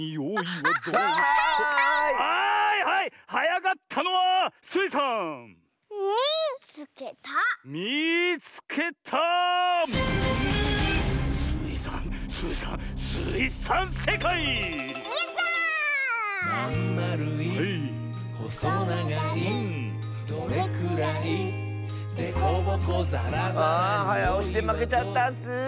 おしでまけちゃったッス！